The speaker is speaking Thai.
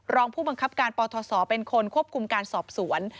รองผู้บังคับการปทศเป็นคนควบคุมการสอบสวน